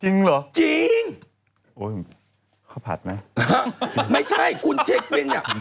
จริงเหรอจริงโอ้ยข้าวผัดไหมไม่ใช่คุณเช็คบินอ่ะ